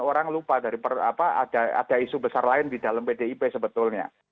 orang lupa ada isu besar lain di dalam pdip sebetulnya